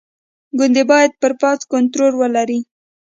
ګوند باید پر پوځ کنټرول ولري.